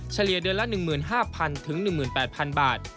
เลียเดือนละ๑๕๐๐๑๘๐๐บาท